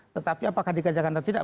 tetapi apakah dikerjakan atau tidak